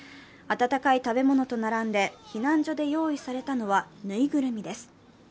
温かい食べ物と並んで避難所で用意されたのはぬいぐるみです。